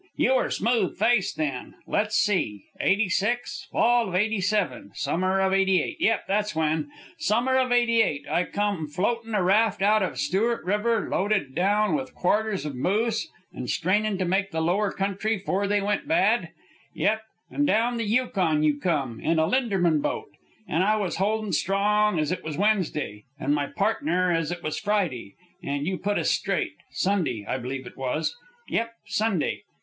You were smooth faced then. Let's see, '86, fall of '87, summer of '88, yep, that's when. Summer of '88 I come floatin' a raft out of Stewart River, loaded down with quarters of moose an' strainin' to make the Lower Country 'fore they went bad. Yep, an' down the Yukon you come, in a Linderman boat. An' I was holdin' strong, ez it was Wednesday, an' my pardner ez it was Friday, an' you put us straight Sunday, I b'lieve it was. Yep, Sunday.